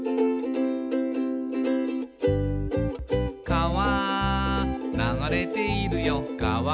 「かわ流れているよかわ」